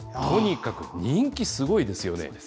とにかく人気、すごいですよね。